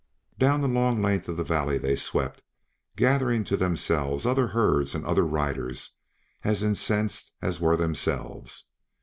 Down the long length of the valley they swept, gathering to themselves other herds and other riders as incensed as were themselves.